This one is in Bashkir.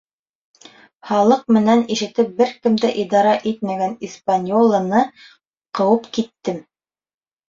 Һаҡлыҡ менән ишеп, бер кем дә идара итмәгән «Испаньола»ны ҡыуып киттем.